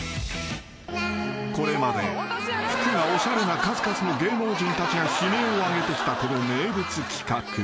［これまで服がおしゃれな数々の芸能人たちが悲鳴を上げてきたこの名物企画］